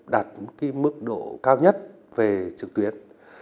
đạt mức độ cao nhất về trực tuyến